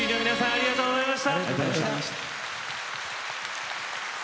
ありがとうございます。